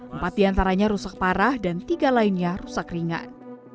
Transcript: empat diantaranya rusak parah dan tiga lainnya rusak ringan